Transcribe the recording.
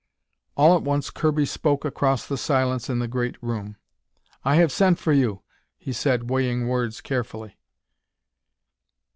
All at once Kirby spoke across the silence in the great room. "I have sent for you," he said, weighing words carefully.